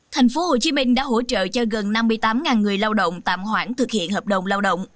tp hcm đã hỗ trợ cho gần năm mươi tám người lao động tạm hoãn thực hiện hợp đồng lao động